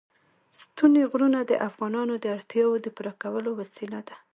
ستوني غرونه د افغانانو د اړتیاوو د پوره کولو وسیله ده.